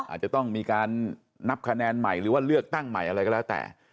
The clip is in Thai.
อาจจะต้องมีการนับคะแนนใหม่หรือว่าเลือกตั้งใหม่อะไรก็แล้วแต่